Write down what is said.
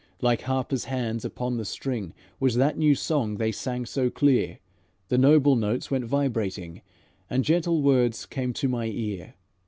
Like harper's hands upon the string Was that new song they sang so clear; The noble notes went vibrating, And gentle words came to my ear.